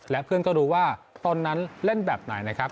และเพื่อนก็รู้ว่าตนนั้นเล่นแบบไหนนะครับ